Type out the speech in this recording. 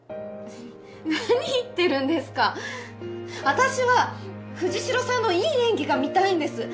私は藤代さんのいい演技が見たいんです。